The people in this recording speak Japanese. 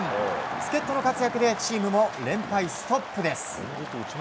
助っ人の活躍でチームも連敗ストップです。